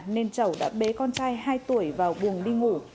nên chậu đã bế con trai hai tuổi vào buồng đi ngủ